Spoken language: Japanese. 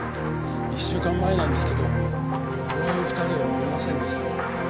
１週間前なんですけどこういう２人を見ませんでしたか？